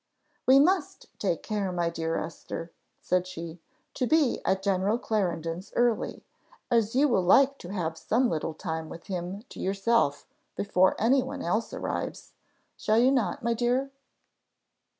"We must take care, my dear Esther," said she, "to be at General Clarendon's early, as you will like to have some little time with him to yourself before any one else arrives shall you not, my dear?"